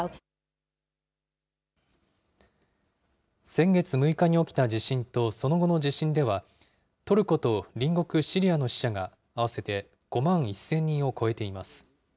先月６日に起きた地震とその後の地震では、トルコと隣国シリアの死者が、合わせて５万１０００人を超えています。